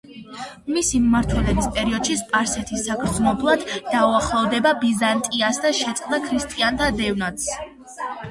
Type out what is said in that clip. მისი მმართველობის პერიოდში სპარსეთი საგრძნობლად დაუახლოვდა ბიზანტიას და შეწყდა ქრისტიანთა დევნაც.